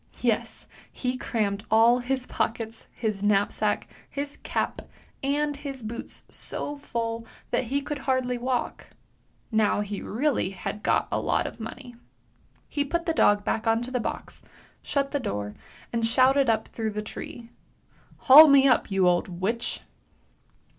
Yes, he crammed all his pockets, his knapsack, his cap, and his boots so full that he could hardly walk ! Now, he really had got a lot of money. He put the dog back on to the box, shut the door, and shouted up through the tree, " Haul me up, you old witch!